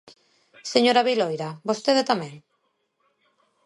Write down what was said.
Señora Viloira, ¿vostede tamén?